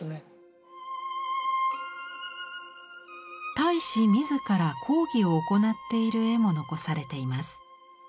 太子自ら講義を行っている絵も残されています。